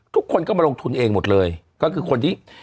ทุกคนก็มาลงทุนเองหมดเลยก็คือคนที่